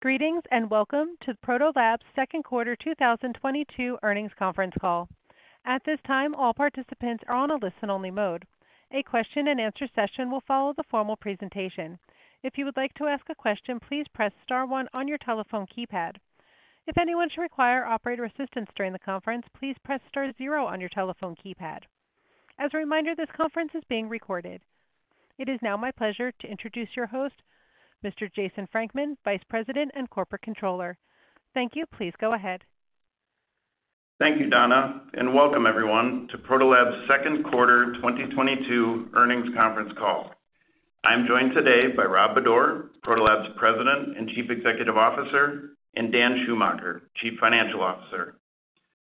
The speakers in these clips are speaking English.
Greetings, and welcome to the Protolabs second quarter 2022 earnings conference call. At this time, all participants are on a listen-only mode. A question and answer session will follow the formal presentation. If you would like to ask a question, please press star one on your telephone keypad. If anyone should require operator assistance during the conference, please press star zero on your telephone keypad. As a reminder, this conference is being recorded. It is now my pleasure to introduce your host, Mr. Jason Frankman, Vice President and Corporate Controller. Thank you. Please go ahead. Thank you, Donna, and welcome everyone Protolabs second quarter 2022 earnings conference call. I'm joined today by Robert Protolabs president and Chief Executive Officer, and Dan Schumacher, Chief Financial Officer.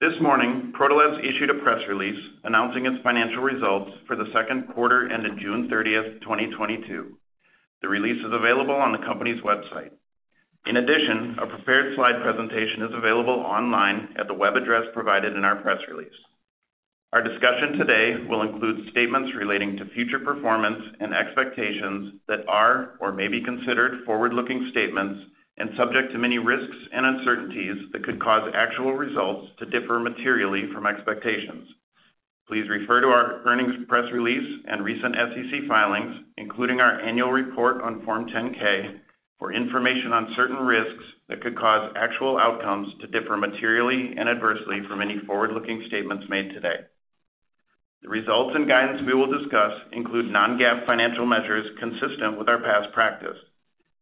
This Protolabs issued a press release announcing its financial results for the second quarter ending June 30th, 2022. The release is available on the company's website. In addition, a prepared slide presentation is available online at the web address provided in our press release. Our discussion today will include statements relating to future performance and expectations that are or may be considered forward-looking statements and subject to many risks and uncertainties that could cause actual results to differ materially from expectations. Please refer to our earnings press release and recent SEC filings, including our annual report on Form 10-K, for information on certain risks that could cause actual outcomes to differ materially and adversely from any forward-looking statements made today. The results and guidance we will discuss include non-GAAP financial measures consistent with our past practice.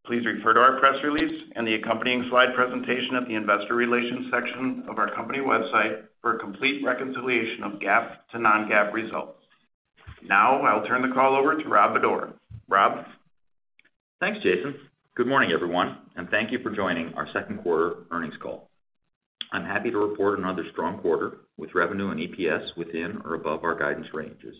Please refer to our press release and the accompanying slide presentation at the investor relations section of our company website for a complete reconciliation of GAAP to non-GAAP results. Now, I'll turn the call over to Robert Bodor. Rob? Thanks, Jason. Good morning, everyone, and thank you for joining our second quarter earnings call. I'm happy to report another strong quarter with revenue and EPS within or above our guidance ranges.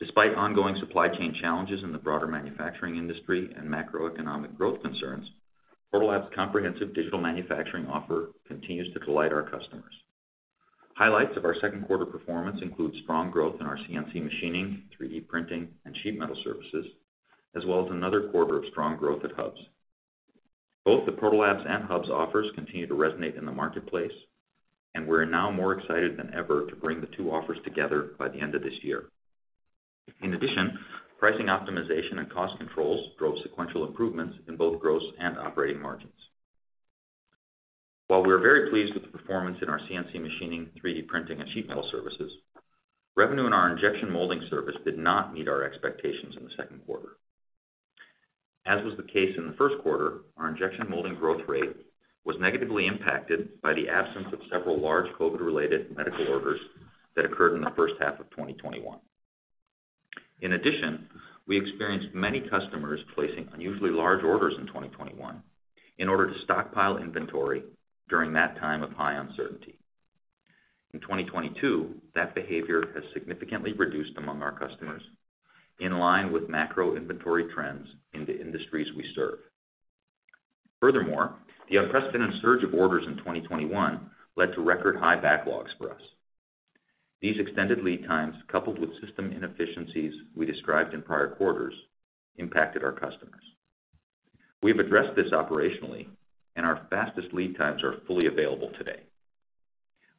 Despite ongoing supply chain challenges in the broader manufacturing industry and macroeconomic growth Protolabs' comprehensive digital manufacturing offer continues to delight our customers. Highlights of our second quarter performance include strong growth in our CNC Machining, 3D Printing, and Sheet Metal services, as well as another quarter of strong growth at Hubs. Both Protolabs and Hubs offers continue to resonate in the marketplace, and we're now more excited than ever to bring the two offers together by the end of this year. In addition, pricing optimization and cost controls drove sequential improvements in both gross and operating margins. While we are very pleased with the performance in our CNC Machining, 3D Printing, and Sheet Metal services, revenue in our Injection Molding service did not meet our expectations in the second quarter. As was the case in the first quarter, our Injection Molding growth rate was negatively impacted by the absence of several large COVID-related medical orders that occurred in the first half of 2021. In addition, we experienced many customers placing unusually large orders in 2021 in order to stockpile inventory during that time of high uncertainty. In 2022, that behavior has significantly reduced among our customers in line with macro inventory trends in the industries we serve. Furthermore, the unprecedented surge of orders in 2021 led to record high backlogs for us. These extended lead times, coupled with system inefficiencies we described in prior quarters, impacted our customers. We have addressed this operationally, and our fastest lead times are fully available today.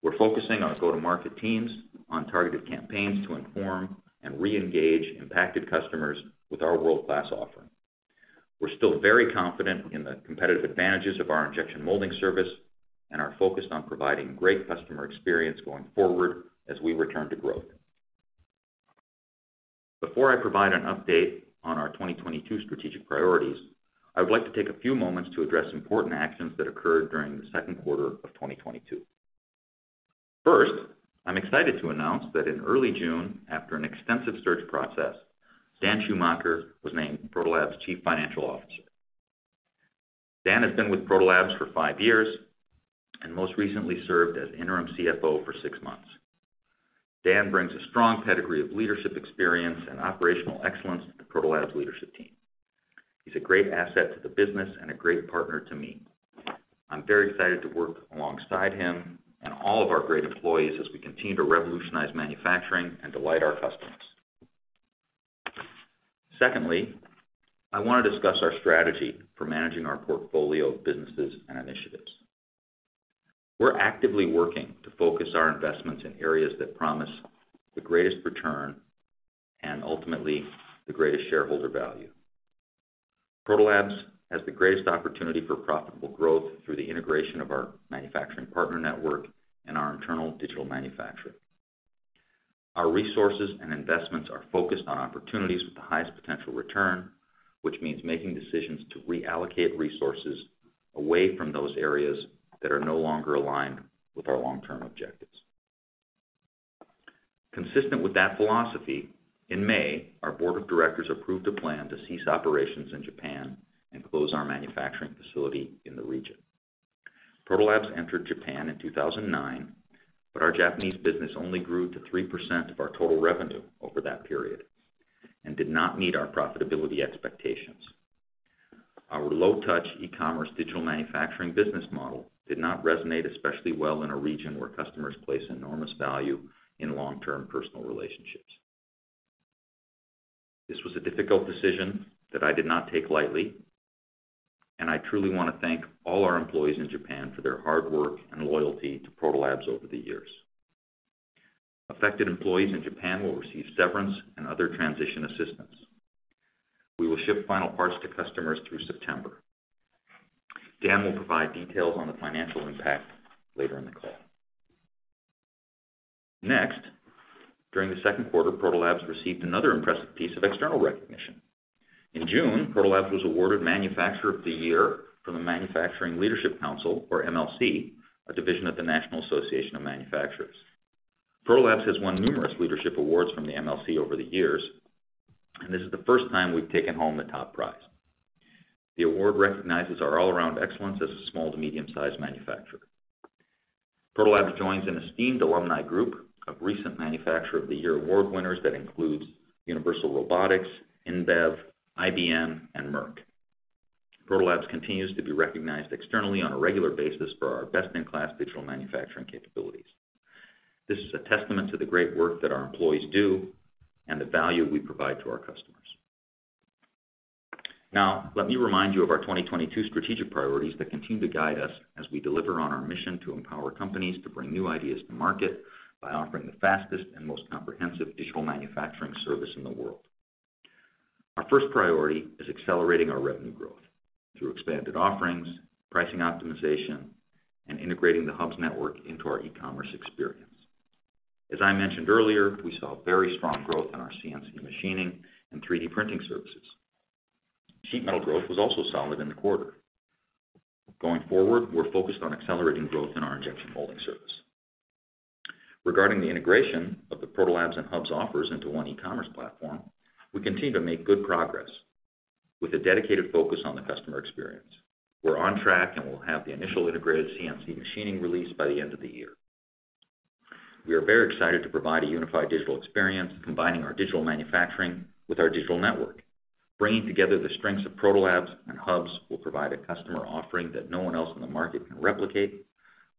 We're focusing on go-to-market teams on targeted campaigns to inform and re-engage impacted customers with our world-class offering. We're still very confident in the competitive advantages of our Injection Molding service and are focused on providing great customer experience going forward as we return to growth. Before I provide an update on our 2022 strategic priorities, I would like to take a few moments to address important actions that occurred during the second quarter of 2022. First, I'm excited to announce that in early June, after an extensive search process, Dan Schumacher was Protolabs chief Financial Officer. Dan has been Protolabs for 5 years and most recently served as interim CFO for 6 months. Dan brings a strong pedigree of leadership experience and operational excellence to Protolabs leadership team. He's a great asset to the business and a great partner to me. I'm very excited to work alongside him and all of our great employees as we continue to revolutionize manufacturing and delight our customers. Secondly, I want to discuss our strategy for managing our portfolio of businesses and initiatives. We're actively working to focus our investments in areas that promise the greatest return and ultimately the greatest shareholder value. Protolabs has the greatest opportunity for profitable growth through the integration of our manufacturing partner network and our internal digital manufacturing. Our resources and investments are focused on opportunities with the highest potential return, which means making decisions to reallocate resources away from those areas that are no longer aligned with our long-term objectives. Consistent with that philosophy, in May, our Board of Directors approved a plan to cease operations in Japan and close our manufacturing facility in the Protolabs entered Japan in 2009, but our Japanese business only grew to 3% of our total revenue over that period and did not meet our profitability expectations. Our low touch e-commerce digital manufacturing business model did not resonate especially well in a region where customers place enormous value in long-term personal relationships. This was a difficult decision that I did not take lightly, and I truly want to thank all our employees in Japan for their hard work and loyalty Protolabs over the years. Affected employees in Japan will receive severance and other transition assistance. We will ship final parts to customers through September. Dan will provide details on the financial impact later in the call. Next, during the second Protolabs received another impressive piece of external recognition. In Protolabs was awarded Manufacturer of the Year from the Manufacturing Leadership Council, or MLC, a division of the National Association of Protolabs has won numerous leadership awards from the MLC over the years, and this is the first time we've taken home the top prize. The award recognizes our all-around excellence as a small to medium-sized Protolabs joins an esteemed alumni group of recent Manufacturer of the Year Award winners that includes Universal Robots, AB InBev, IBM, and & co. Protolabs continues to be recognized externally on a regular basis for our best-in-class digital manufacturing capabilities. This is a testament to the great work that our employees do and the value we provide to our customers. Now, let me remind you of our 2022 strategic priorities that continue to guide us as we deliver on our mission to empower companies to bring new ideas to market by offering the fastest and most comprehensive digital manufacturing service in the world. Our first priority is accelerating our revenue growth through expanded offerings, pricing optimization, and integrating the Hubs network into our e-commerce experience. As I mentioned earlier, we saw very strong growth in our CNC Machining and 3D Printing services. Sheet metal growth was also solid in the quarter. Going forward, we're focused on accelerating growth in our Injection Molding service. Regarding the integration of Protolabs and hubs offers into one e-commerce platform, we continue to make good progress with a dedicated focus on the customer experience. We're on track, and we'll have the initial integrated CNC Machining release by the end of the year. We are very excited to provide a unified digital experience combining our digital manufacturing with our digital network. Bringing together the strengths Protolabs and hubs will provide a customer offering that no one else in the market can replicate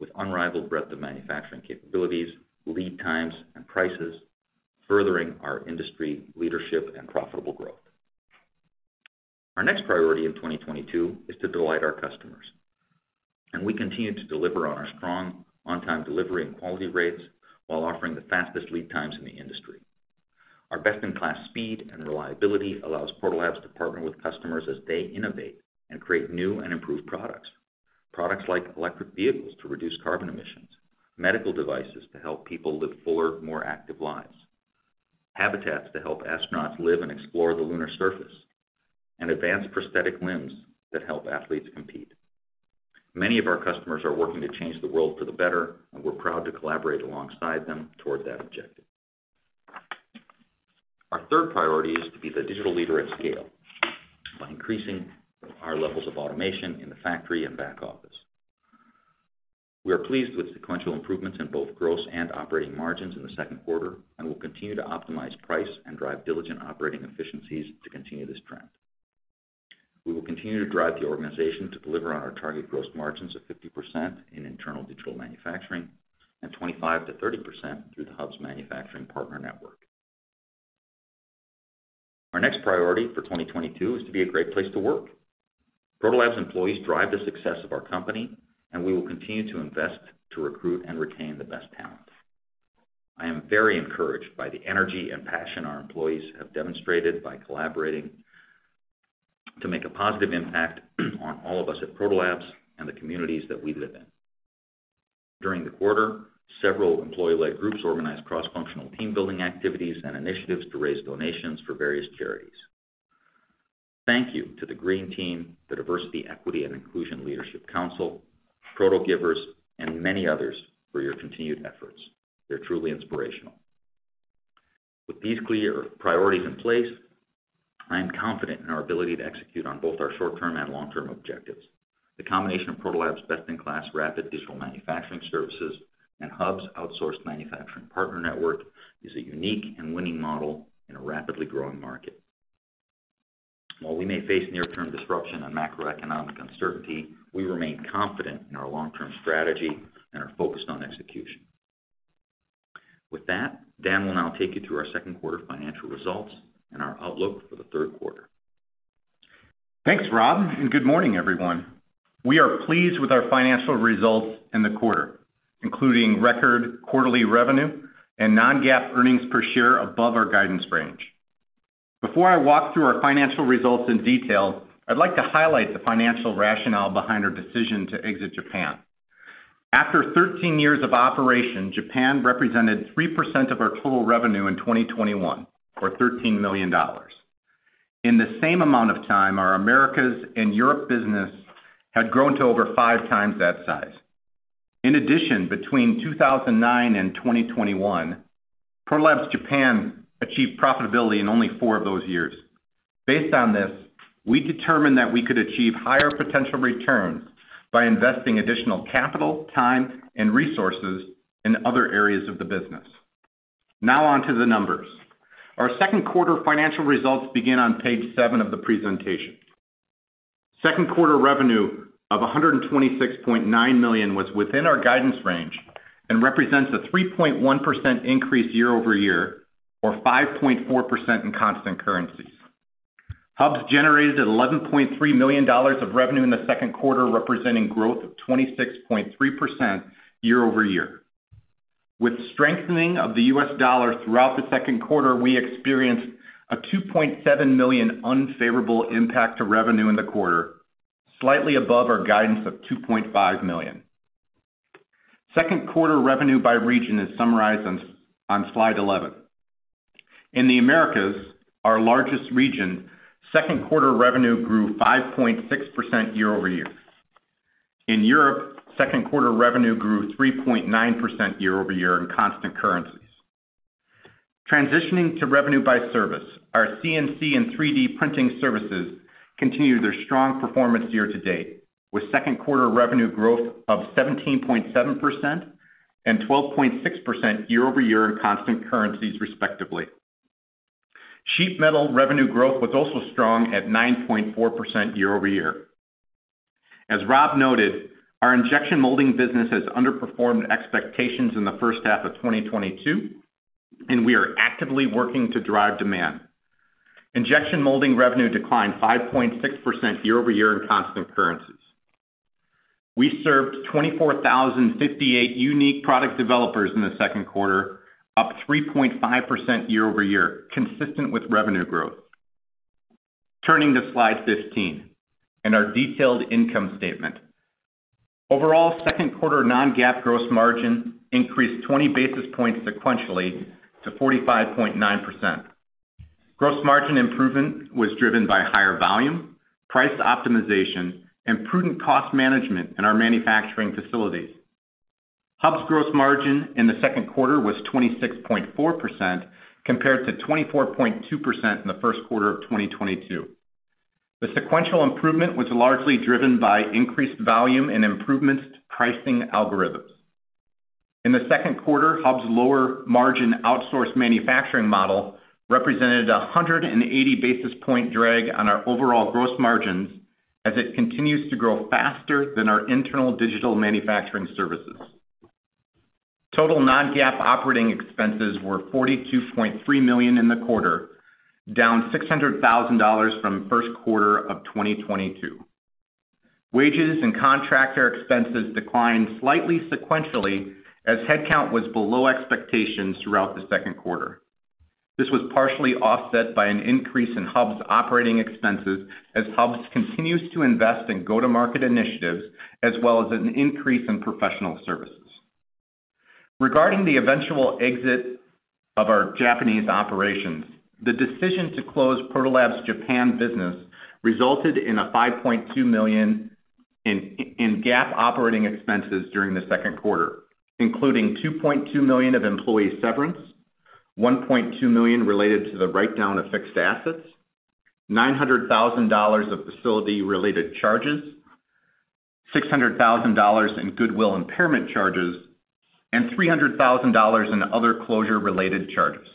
with unrivaled breadth of manufacturing capabilities, lead times, and prices, furthering our industry leadership and profitable growth. Our next priority in 2022 is to delight our customers, and we continue to deliver on our strong on-time delivery and quality rates while offering the fastest lead times in the industry. Our best-in-class speed and reliability Protolabs to partner with customers as they innovate and create new and improved products. Products like electric vehicles to reduce carbon emissions, medical devices to help people live fuller, more active lives, habitats to help astronauts live and explore the lunar surface, and advanced prosthetic limbs that help athletes compete. Many of our customers are working to change the world for the better, and we're proud to collaborate alongside them toward that objective. Our third priority is to be the digital leader at scale by increasing our levels of automation in the factory and back office. We are pleased with sequential improvements in both gross and operating margins in the second quarter, and will continue to optimize price and drive diligent operating efficiencies to continue this trend. We will continue to drive the organization to deliver on our target gross margins of 50% in internal digital manufacturing and 25%-30% through the hubs manufacturing partner network. Our next priority for 2022 is to be a great place to Protolabs employees drive the success of our company, and we will continue to invest to recruit and retain the best talent. I am very encouraged by the energy and passion our employees have demonstrated by collaborating to make a positive impact on all of us Protolabs and the communities that we live in. During the quarter, several employee-led groups organized cross-functional team-building activities and initiatives to raise donations for various charities. Thank you to the Green Team, the Diversity, Equity and Inclusion Leadership Council, ProtoGivers, and many others for your continued efforts. They're truly inspirational. With these clear priorities in place, I am confident in our ability to execute on both our short-term and long-term objectives. The combination Protolabs' best-in-class rapid digital manufacturing services and Hubs outsourced manufacturing partner network is a unique and winning model in a rapidly growing market. While we may face near-term disruption and macroeconomic uncertainty, we remain confident in our long-term strategy and are focused on execution. With that, Dan will now take you through our second quarter financial results and our outlook for the third quarter. Thanks, Rob, and good morning, everyone. We are pleased with our financial results in the quarter, including record quarterly revenue and non-GAAP earnings per share above our guidance range. Before I walk through our financial results in detail, I'd like to highlight the financial rationale behind our decision to exit Japan. After 13 years of operation, Japan represented 3% of our total revenue in 2021, or $13 million. In the same amount of time, our Americas and Europe business had grown to over 5x that size. In addition, between 2009 and 2021, Protolabs Japan achieved profitability in only 4 of those years. Based on this, we determined that we could achieve higher potential returns by investing additional capital, time, and resources in other areas of the business. Now on to the numbers. Our second quarter financial results begin on page 7 of the presentation. Second quarter revenue of $126.9 million was within our guidance range and represents a 3.1% increase year over year, or 5.4% in constant currencies. Hubs generated $11.3 million of revenue in the second quarter, representing growth of 26.3% YoY. With strengthening of the U.S. dollar throughout the second quarter, we experienced a $2.7 million unfavorable impact to revenue in the quarter, slightly above our guidance of $2.5 million. Second quarter revenue by region is summarized on Slide 11. In the Americas, our largest region, second quarter revenue grew 5.6% YoY. In Europe, second quarter revenue grew 3.9% YoY in constant currencies. Transitioning to revenue by service, our CNC and 3D Printing services continued their strong performance year to date, with second quarter revenue growth of 17.7% and 12.6% YoY in constant currencies, respectively. Sheet Metal revenue growth was also strong at 9.4% YoY. As Rob noted, our Injection Molding business has underperformed expectations in the first half of 2022, and we are actively working to drive demand. Injection Molding revenue declined 5.6% YoY in constant currencies. We served 24,058 unique product developers in the second quarter, up 3.5% YoY, consistent with revenue growth. Turning to Slide 15 and our detailed income statement. Overall second quarter non-GAAP gross margin increased 20 basis points sequentially to 45.9%. Gross margin improvement was driven by higher volume, price optimization, and prudent cost management in our manufacturing facilities. Hubs gross margin in the second quarter was 26.4% compared to 24.2% in the first quarter of 2022. The sequential improvement was largely driven by increased volume and improvements to pricing algorithms. In the second quarter, Hubs' lower margin outsourced manufacturing model represented 180 basis point drag on our overall gross margins as it continues to grow faster than our internal digital manufacturing services. Total non-GAAP operating expenses were $42.3 million in the quarter, down $600,000 from first quarter of 2022. Wages and contractor expenses declined slightly sequentially as headcount was below expectations throughout the second quarter. This was partially offset by an increase in Hubs operating expenses as Hubs continues to invest in go-to-market initiatives, as well as an increase in professional services. Regarding the eventual exit of our Japanese operations, the decision to close Protolabs Japan business resulted in a $5.2 million in GAAP operating expenses during the second quarter, including $2.2 million of employee severance, $1.2 million related to the write-down of fixed assets, $900,000 of facility-related charges, $600,000 in goodwill impairment charges, and $300,000 in other closure-related charges.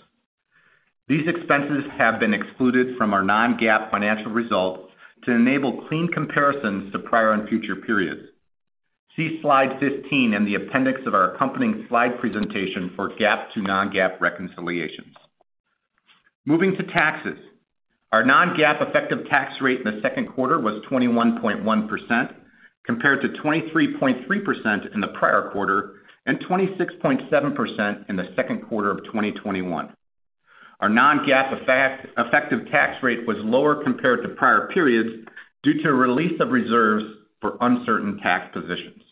These expenses have been excluded from our non-GAAP financial results to enable clean comparisons to prior and future periods. See Slide 15 in the appendix of our accompanying slide presentation for GAAP to non-GAAP reconciliations. Moving to taxes. Our non-GAAP effective tax rate in the second quarter was 21.1%, compared to 23.3% in the prior quarter and 26.7% in the second quarter of 2021. Our non-GAAP effective tax rate was lower compared to prior periods due to a release of reserves for uncertain tax positions.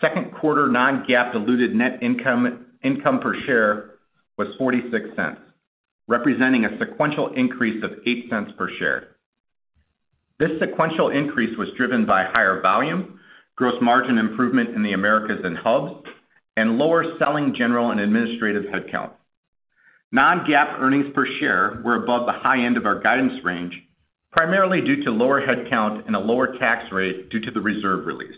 Second quarter non-GAAP diluted net income per share was $0.46, representing a sequential increase of $0.08 per share. This sequential increase was driven by higher volume, gross margin improvement in the Americas and hubs, and lower selling general and administrative headcount. Non-GAAP earnings per share were above the high end of our guidance range, primarily due to lower headcount and a lower tax rate due to the reserve release.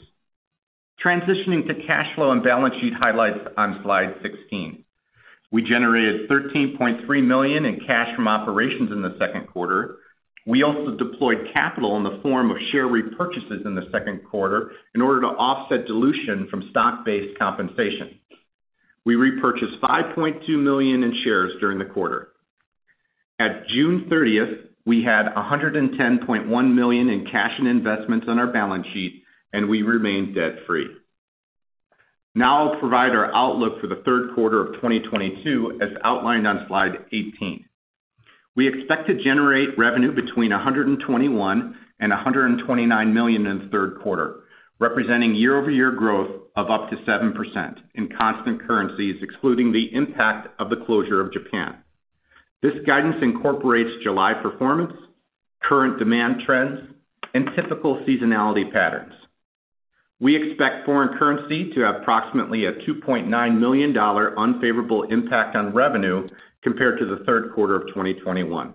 Transitioning to cash flow and balance sheet highlights on Slide 16. We generated $13.3 million in cash from operations in the second quarter. We also deployed capital in the form of share repurchases in the second quarter in order to offset dilution from stock-based compensation. We repurchased $5.2 million in shares during the quarter. At June 30th, we had $110.1 million in cash and investments on our balance sheet, and we remain debt-free. Now I'll provide our outlook for the third quarter of 2022 as outlined on Slide 18. We expect to generate revenue between $121 million and $129 million in the third quarter, representing year-over-year growth of up to 7% in constant currencies, excluding the impact of the closure of Japan. This guidance incorporates July performance, current demand trends, and typical seasonality patterns. We expect foreign currency to have approximately a $2.9 million unfavorable impact on revenue compared to the third quarter of 2021.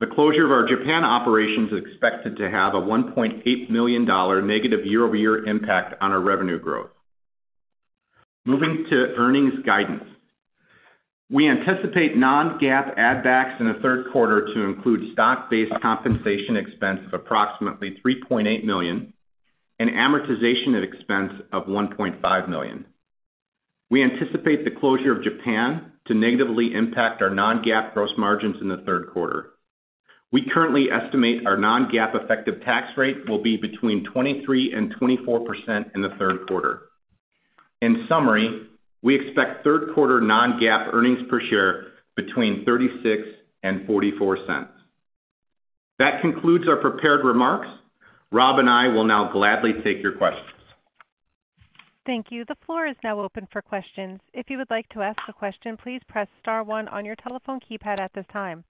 The closure of our Japan operations is expected to have a $1.8 million negative year-over-year impact on our revenue growth. Moving to earnings guidance. We anticipate non-GAAP add-backs in the third quarter to include stock-based compensation expense of approximately $3.8 million and amortization expense of $1.5 million. We anticipate the closure of Japan to negatively impact our non-GAAP gross margins in the third quarter. We currently estimate our non-GAAP effective tax rate will be between 23% and 24% in the third quarter. In summary, we expect third quarter non-GAAP earnings per share between $0.36 and $0.44. That concludes our prepared remarks. Rob and I will now gladly take your questions. Thank you. The floor is now open for questions. If you would like to ask a question, please press star one on your telephone keypad at this time.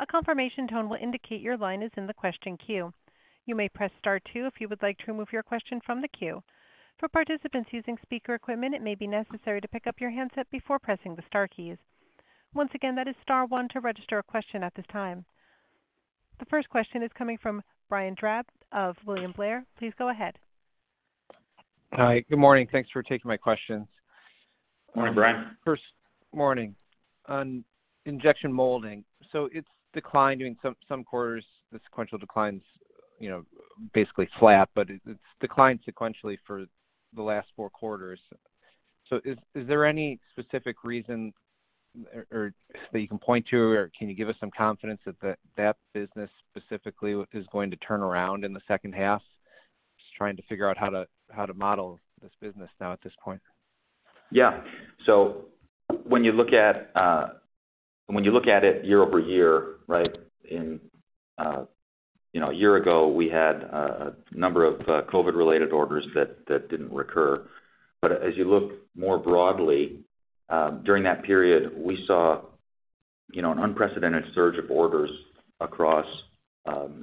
A confirmation tone will indicate your line is in the question queue. You may press star two if you would like to remove your question from the queue. For participants using speaker equipment, it may be necessary to pick up your handset before pressing the star keys. Once again, that is star one to register a question at this time. The first question is coming from Brian Drab of William Blair. Please go ahead. Hi. Good morning. Thanks for taking my questions. Good morning, Brian. Good morning. On Injection Molding, it's declined during some quarters. The sequential declines are basically flat, but it's declined sequentially for the last four quarters. Is there any specific reason or that you can point to, or can you give us some confidence that that business specifically is going to turn around in the second half? Just trying to figure out how to model this business now at this point. When you look at it year-over-year, right, you know, a year ago, we had a number of COVID-related orders that didn't recur. As you look more broadly, during that period, we saw, you know, an unprecedented surge of orders across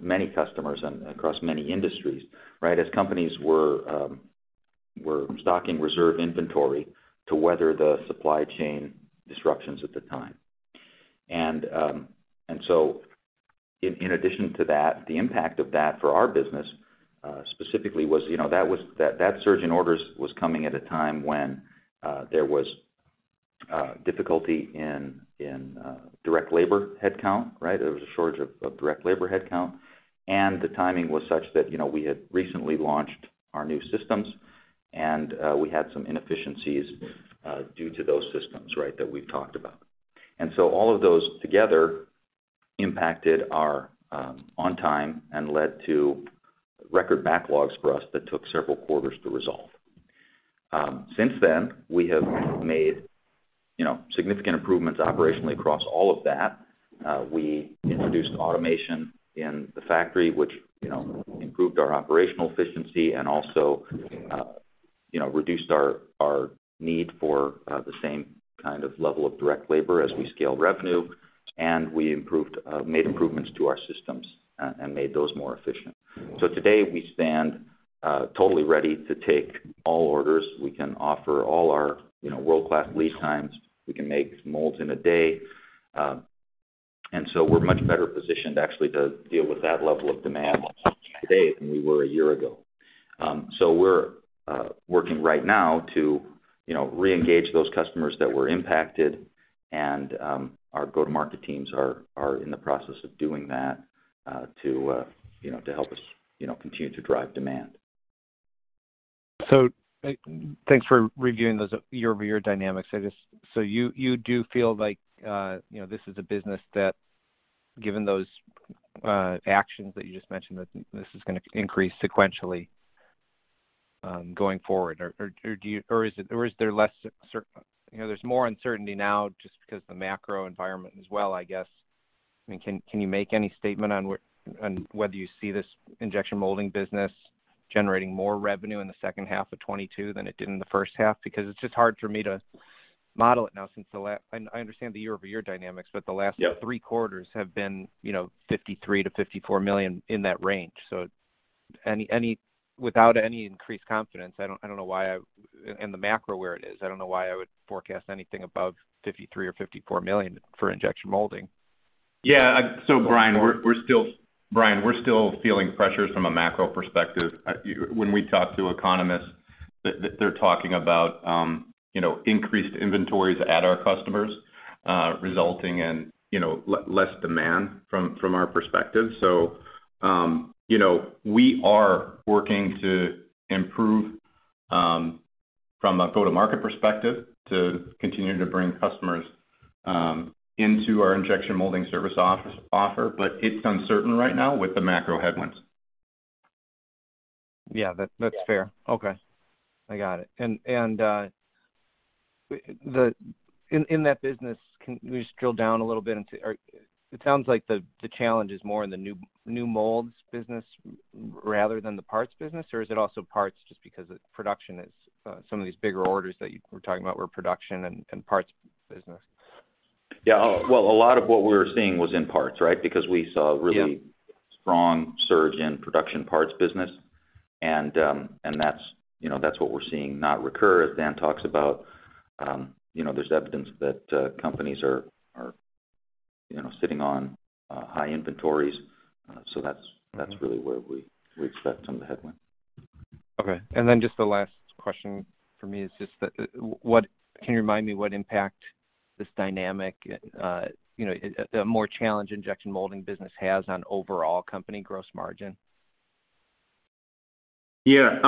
many customers and across many industries, right? As companies were stocking reserve inventory to weather the supply chain disruptions at the time. In addition to that, the impact of that for our business specifically was, you know, that surge in orders was coming at a time when there was difficulty in direct labor headcount, right? There was a shortage of direct labor headcount. The timing was such that, you know, we had recently launched our new systems and we had some inefficiencies due to those systems, right, that we've talked about. All of those together impacted our on time and led to record backlogs for us that took several quarters to resolve. Since then, we have made, you know, significant improvements operationally across all of that. We introduced automation in the factory, which, you know, improved our operational efficiency and also, you know, reduced our need for the same kind of level of direct labor as we scaled revenue. We made improvements to our systems and made those more efficient. Today, we stand totally ready to take all orders. We can offer all our, you know, world-class lead times. We can make molds in a day. We're much better positioned actually to deal with that level of demand today than we were a year ago. We're working right now to, you know, reengage those customers that were impacted and our go-to-market teams are in the process of doing that to, you know, to help us, you know, continue to drive demand. Thanks for reviewing those year-over-year dynamics. You do feel like, you know, this is a business that given those actions that you just mentioned, that this is gonna increase sequentially going forward? Or is there less certainty? You know, there's more uncertainty now just because the macro environment as well, I guess. I mean, can you make any statement on whether you see this Injection Molding business generating more revenue in the second half of 2022 than it did in the first half? Because it's just hard for me to model it now. I understand the year-over-year dynamics, but the last- Yeah Three quarters have been, you know, $53 million-$54 million in that range. Without any increased confidence, in the macro where it is, I don't know why I would forecast anything above $53 million or $54 million for Injection Molding. Yeah. Brian, we're still feeling pressures from a macro perspective. When we talk to economists, they're talking about, you know, increased inventories at our customers, resulting in, you know, less demand from our perspective. You know, we are working to improve from a go-to-market perspective to continue to bring customers into our Injection Molding service offering. It's uncertain right now with the macro headwinds. Yeah. That's fair. Okay. I got it. In that business, can we just drill down a little bit into it. It sounds like the challenge is more in the new molds business rather than the parts business, or is it also parts just because production is some of these bigger orders that you were talking about were production and parts business? Yeah. Well, a lot of what we were seeing was in parts, right? Because we saw. Yeah really strong surge in production parts business. That's, you know, what we're seeing not recur. As Dan talks about, you know, there's evidence that companies are You know, sitting on high inventories. That's really where we expect some of the headwind. Okay. Just the last question for me is just that. Can you remind me what impact this dynamic, you know, the more challenged Injection Molding business has on overall company gross margin? Yeah.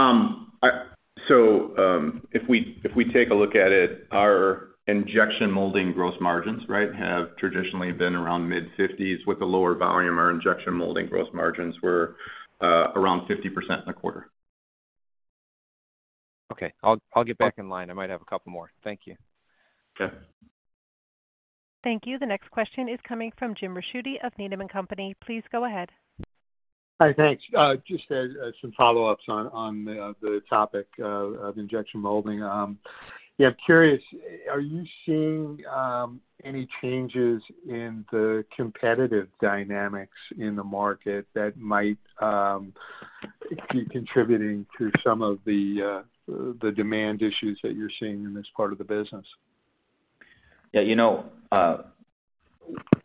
If we take a look at it, our Injection Molding gross margins, right, have traditionally been around mid-50s with a lower volume. Our Injection Molding gross margins were around 50% in the quarter. Okay. I'll get back in line. I might have a couple more. Thank you. Okay. Thank you. The next question is coming from Jim Ricchiuti of Needham & Company. Please go ahead. Hi. Thanks. Just some follow-ups on the topic of Injection Molding. Yeah, I'm curious, are you seeing any changes in the competitive dynamics in the market that might be contributing to some of the demand issues that you're seeing in this part of the business? Yeah, you know,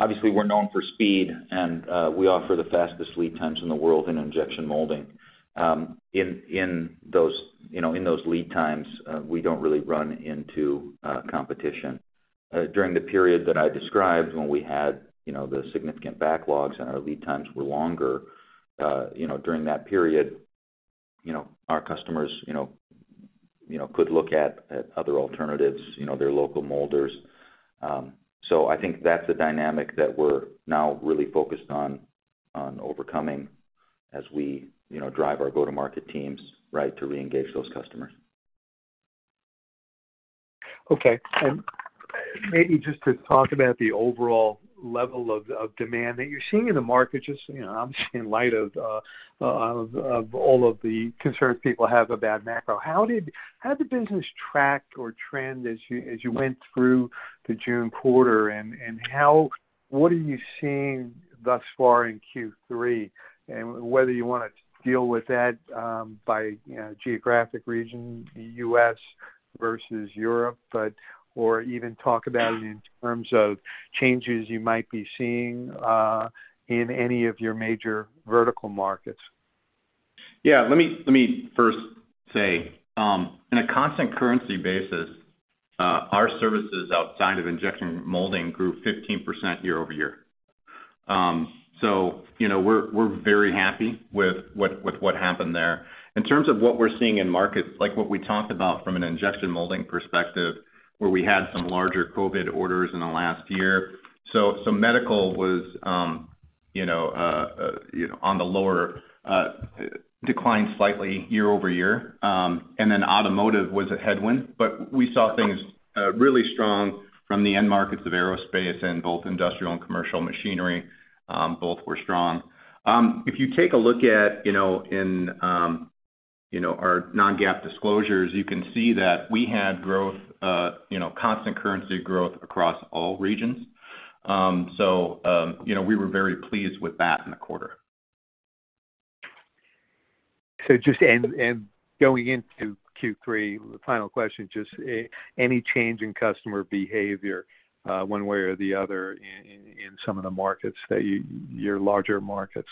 obviously, we're known for speed, and we offer the fastest lead times in the world in injection molding. In those lead times, we don't really run into competition. During the period that I described when we had the significant backlogs and our lead times were longer, during that period, our customers could look at other alternatives, their local molders. I think that's a dynamic that we're now really focused on overcoming as we drive our go-to-market teams to reengage those customers. Okay. Maybe just to talk about the overall level of demand that you're seeing in the market, just, you know, obviously in light of all of the concerns people have about macro. How did the business track or trend as you went through the June quarter? What are you seeing thus far in Q3? Whether you want to deal with that by, you know, geographic region, the U.S. versus Europe, or even talk about it in terms of changes you might be seeing in any of your major vertical markets. Yeah, let me first say, in a constant currency basis, our services outside of injection molding grew 15% YoY. You know, we're very happy with what happened there. In terms of what we're seeing in markets, like what we talked about from an Injection Molding perspective, where we had some larger COVID orders in the last year. Medical was, you know, on the lower, declined slightly year-over-year. Automotive was a headwind, but we saw things really strong from the end markets of aerospace and both industrial and commercial machinery, both were strong. If you take a look at, you know, in, you know, our non-GAAP disclosures, you can see that we had growth, you know, constant currency growth across all regions. You know, we were very pleased with that in the quarter. Going into Q3, the final question, just any change in customer behavior, one way or the other in some of the markets your larger markets?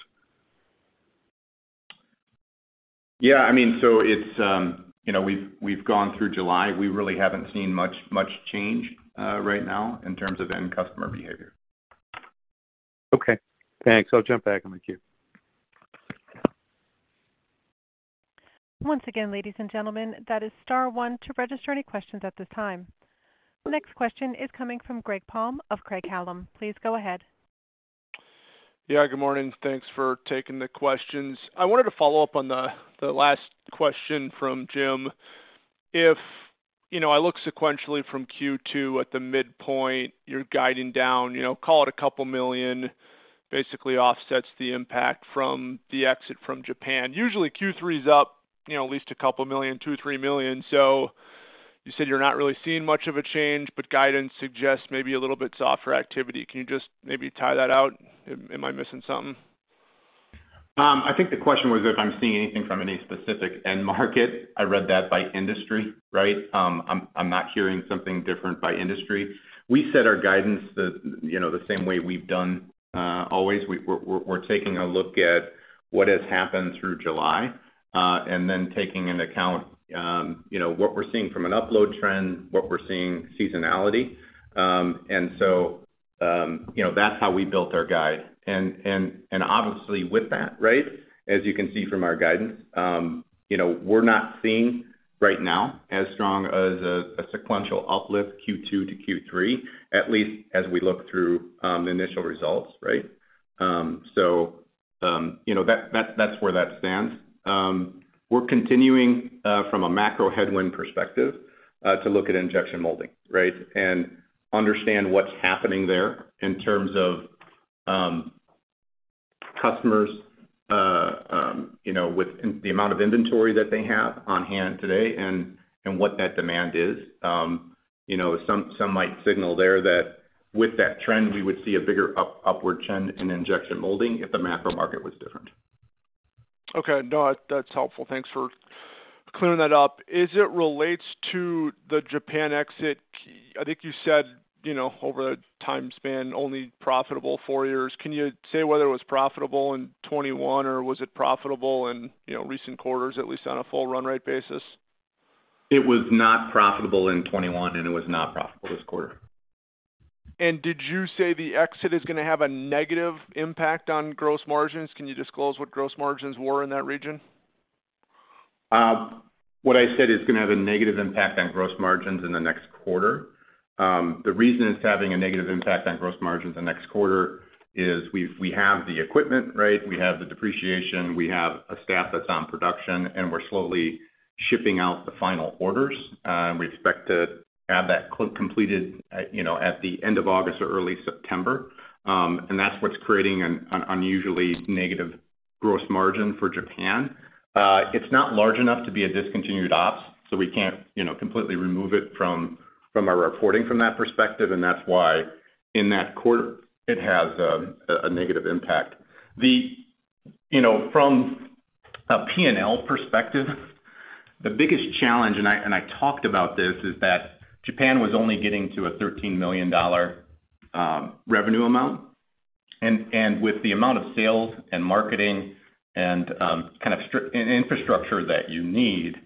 Yeah, I mean, it's, you know, we've gone through July. We really haven't seen much change right now in terms of end customer behavior. Okay, thanks. I'll jump back in the queue. Once again, ladies and gentlemen, that is star one to register any questions at this time. The next question is coming from Greg Palm of Craig-Hallum. Please go ahead. Yeah, good morning. Thanks for taking the questions. I wanted to follow up on the last question from Jim. If you know, I look sequentially from Q2 at the midpoint, you're guiding down, you know, call it $2 million, basically offsets the impact from the exit from Japan. Usually Q3 is up, you know, at least a couple million, $2 million-$3 million. You said you're not really seeing much of a change, but guidance suggests maybe a little bit softer activity. Can you just maybe tie that out? Am I missing something? I think the question was if I'm seeing anything from any specific end market. I read that by industry, right? I'm not hearing something different by industry. We set our guidance you know the same way we've done always. We're taking a look at what has happened through July and then taking into account you know what we're seeing from an upload trend, what we're seeing seasonality. That's how we built our guide. Obviously with that, right, as you can see from our guidance, you know, we're not seeing right now as strong as a sequential uplift Q2 to Q3, at least as we look through the initial results, right? You know, that's where that stands. We're continuing from a macro headwind perspective to look at Injection Molding, right? Understand what's happening there in terms of customers, you know, with the amount of inventory that they have on hand today and what that demand is. You know, some might signal there that with that trend, we would see a bigger upward trend in Injection Molding if the macro market was different. Okay. No, that's helpful. Thanks for clearing that up. As it relates to the Japan exit, I think you said, you know, over the time span, only profitable four years. Can you say whether it was profitable in 2021 or was it profitable in, you know, recent quarters, at least on a full run rate basis? It was not profitable in 2021, and it was not profitable this quarter. Did you say the exit is gonna have a negative impact on gross margins? Can you disclose what gross margins were in that region? What I said is it's gonna have a negative impact on gross margins in the next quarter. The reason it's having a negative impact on gross margins the next quarter is we have the equipment, right? We have the depreciation, we have a staff that's on production, and we're slowly shipping out the final orders. We expect to have that completed, you know, at the end of August or early September. That's what's creating an unusually negative gross margin for Japan. It's not large enough to be a discontinued operations, so we can't, you know, completely remove it from our reporting from that perspective, and that's why in that quarter it has a negative impact. You know, from a P&L perspective, the biggest challenge, and I talked about this, is that Japan was only getting to a $13 million revenue amount. With the amount of sales and marketing and kind of and infrastructure that you need,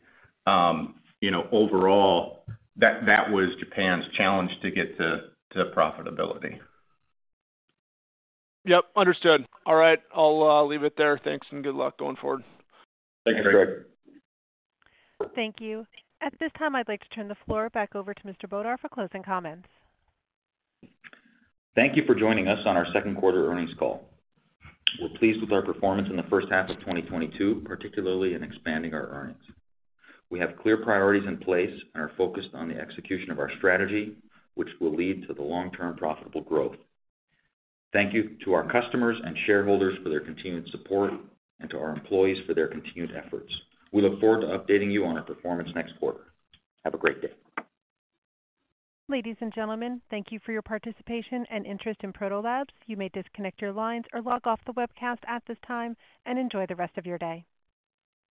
you know, overall that was Japan's challenge to get to profitability. Yep, understood. All right, I'll leave it there. Thanks and good luck going forward. Thank you, Greg. Thank you. At this time, I'd like to turn the floor back over to Mr. Bodor for closing comments. Thank you for joining us on our second quarter earnings call. We're pleased with our performance in the first half of 2022, particularly in expanding our earnings. We have clear priorities in place and are focused on the execution of our strategy, which will lead to the long-term profitable growth. Thank you to our customers and shareholders for their continued support and to our employees for their continued efforts. We look forward to updating you on our performance next quarter. Have a great day. Ladies and gentlemen, thank you for your participation and interest in Protolabs. You may disconnect your lines or log off the webcast at this time, and enjoy the rest of your day.